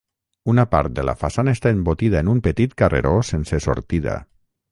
Una part de la façana està embotida en un petit carreró sense sortida.